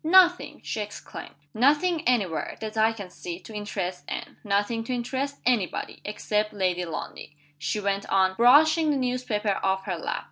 "Nothing!" she exclaimed. "Nothing any where, that I can see, to interest Anne. Nothing to interest any body except Lady Lundie," she went on, brushing the newspaper off her lap.